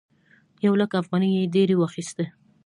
یو لک افغانۍ یې ډېرې واخيستې.